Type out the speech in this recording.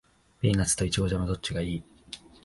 ピーナッツとイチゴジャム、どっちがいい？